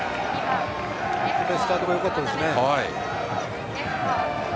スタートがよかったですね。